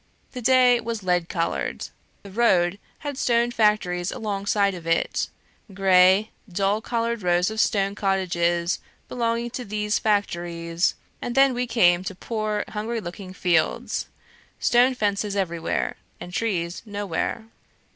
The day was lead coloured; the road had stone factories alongside of it, grey, dull coloured rows of stone cottages belonging to these factories, and then we came to poor, hungry looking fields; stone fences everywhere, and trees nowhere.